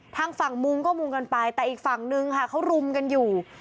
ทางฝั่งมุงก็มุงกันไปแต่อีกฝั่งนึงค่ะเขารุมกันอยู่